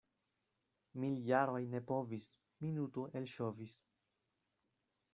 Miljaroj ne povis — minuto elŝovis.